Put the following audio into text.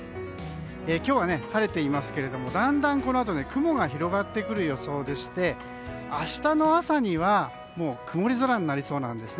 今日は晴れていますがだんだん、このあと雲が広がってくる予想でして明日の朝には曇り空になりそうです。